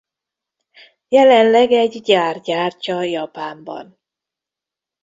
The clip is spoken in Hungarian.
Jelenleg egy gyár gyártja Japánban.